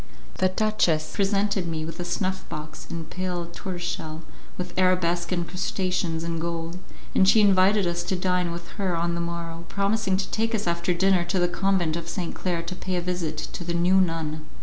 The duchess presented me with a snuff box in pale tortoise shell with arabesque incrustations in gold, and she invited us to dine with her on the morrow, promising to take us after dinner to the Convent of St. Claire to pay a visit to the new nun.